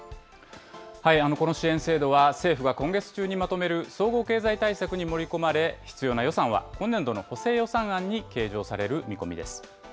この支援制度は、政府が今月中にまとめる総合経済対策に盛り込まれ、必要な予算は今年度の補正予算案に計上される見込みです。